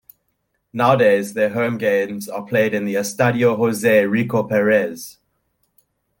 Nowadays their home games are played in the Estadio José Rico Pérez.